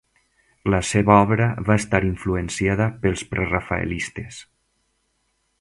La seva obra va estar influenciada pels prerafaelites.